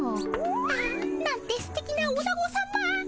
ああなんてすてきなおなごさま。